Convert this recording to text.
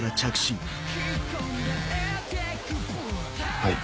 はい。